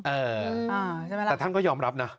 เออแต่ท่านก็ยอมรับนะ